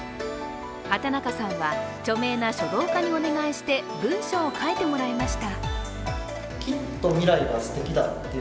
幡中さんは著名な書道家にお願いして、文章を書いてもらいました。